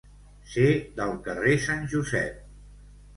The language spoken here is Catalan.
Ser del carrer Sant Josep.